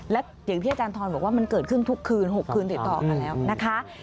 และอย่างที่อาจารย์ทรบอกว่ามันเกิดขึ้นทุกคืน๖คืนติดต่อกันแล้วนะคะ